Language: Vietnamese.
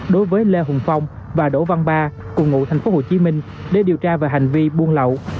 đối với lê hùng phong và đỗ văn ba cùng ngụ thành phố hồ chí minh để điều tra về hành vi buôn lậu